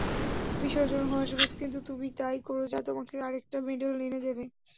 বিসর্জন হওয়ার জন্য কিন্তু তুমি তাই করো যা তোমাকে আরেকটা মেডেল এনে দেবে।